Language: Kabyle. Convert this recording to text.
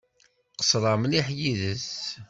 Qeṣṣreɣ mliḥ yid-s.